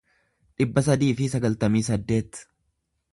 dhibba sadii fi sagaltamii saddeet